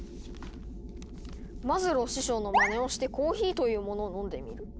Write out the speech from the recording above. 「マズロー師匠のまねをしてコーヒーというものを飲んでみる。